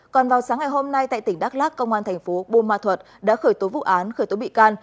còn vào sáng ngày hôm nay tại tỉnh đắk lắc công an thành phố bôn ma thuật đã khởi tố vụ án khởi tố bị can